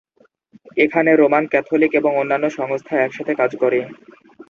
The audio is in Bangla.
এখানে রোমান ক্যাথলিক এবং অন্যান্য সংস্থা একসাথে কাজ করে।